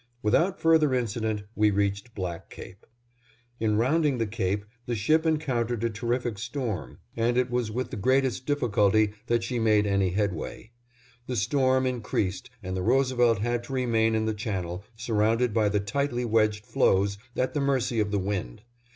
Without further incident, we reached Black Cape. In rounding the cape the ship encountered a terrific storm, and it was with the greatest difficulty that she made any headway. The storm increased and the Roosevelt had to remain in the channel, surrounded by the tightly wedged floes, at the mercy of the wind.